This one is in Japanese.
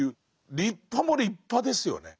立派も立派ですよね。